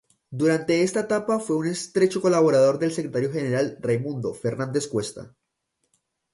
Durante esta etapa fue un estrecho colaborador del secretario general Raimundo Fernández-Cuesta.